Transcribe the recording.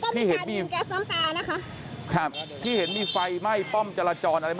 ตรงป้ำจรจรนะคะอยู่ตรงเกาะพญาไทยเลยค่ะ